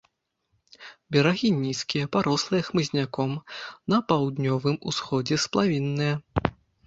Берагі нізкія, парослыя хмызняком, на паўднёвым усходзе сплавінныя.